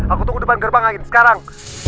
aku tunggu depan gerbang angin sekarang